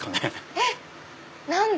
えっ！何で。